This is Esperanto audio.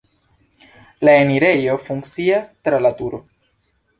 La enirejo funkcias tra la turo.